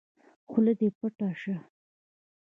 خوله دې پټّ شه!